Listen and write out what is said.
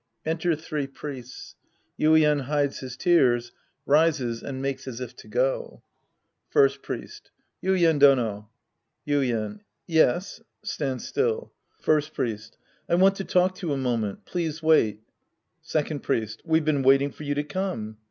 (Enter three Priests. Yuien hides his tears, rises and makes as if to go.) First Priest. Yuien Dono. Yuien. Yes. {Stands still.) First Priest. I want to talk to you a moment. Please ti^ait. Second Priest. We've been waiting for you to come.